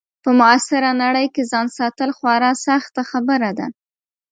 په معاصره نړۍ کې ځان ساتل خورا سخته خبره ده.